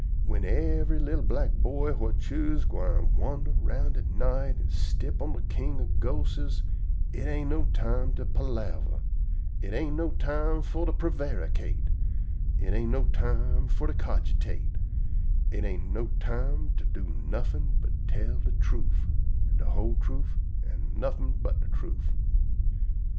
Whin yevery li'l black boy whut choose gwine wander round at night an' stip on de king of ghostes, it ain't no time for to palaver, it ain't no time for to prevaricate, it ain't no time for to cogitate, it ain't no time do nuffin' but tell de truth, an' de whole truth, an' nuffin but de truth."